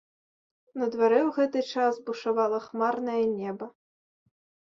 На дварэ ў гэты час бушавала хмарнае неба.